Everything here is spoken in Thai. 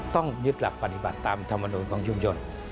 ต้องยึดหลักปฏิบัติตามธรรมนุนของชุมชน